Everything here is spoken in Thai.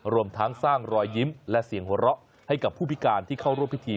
รวมทั้งสร้างรอยยิ้มและเสียงหัวเราะให้กับผู้พิการที่เข้าร่วมพิธี